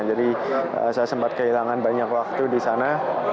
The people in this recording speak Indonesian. jadi saya sempat kehilangan banyak waktu di sana